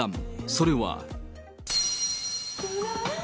それは。